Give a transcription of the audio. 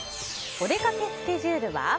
おでかけスケジュールは？